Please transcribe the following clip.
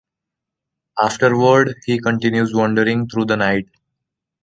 Afterward, he continues wandering through the night.